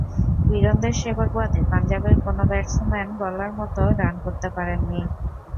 বীরেন্দর শেবাগ বাদে পাঞ্জাবের কোনো ব্যাটসম্যান বলার মতো রান করতে পারেননি।